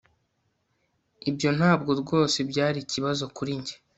Ibyo ntabwo rwose byari ikibazo kuri njye